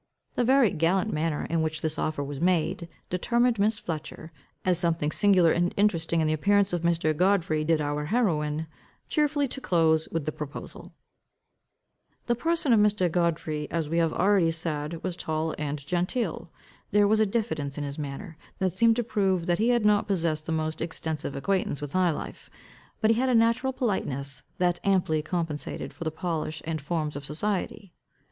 The very gallant manner in which this offer was made, determined Miss Fletcher, as something singular and interesting in the appearance of Mr. Godfrey did our heroine, cheerfully to close with the proposal. The person of Mr. Godfrey as we have already said was tall and genteel. There was a diffidence in his manner, that seemed to prove that he had not possessed the most extensive acquaintance with high life; but he had a natural politeness that amply compensated for the polish and forms of society.